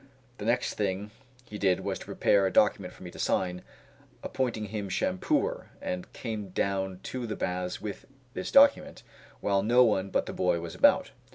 The next thing he did was to prepare a document for me to sign, appointing him shampooer, and came down to the baths with this document while no one but the boy was about.